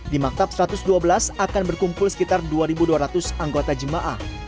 di maktab satu ratus dua belas akan berkumpul sekitar dua dua ratus anggota jemaah